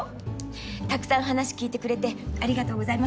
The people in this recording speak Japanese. たくさん話聞いてくれてありがとうございました。